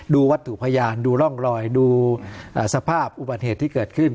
วัตถุพยานดูร่องรอยดูสภาพอุบัติเหตุที่เกิดขึ้น